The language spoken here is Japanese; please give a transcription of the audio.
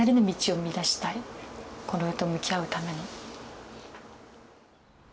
これと向き合うための。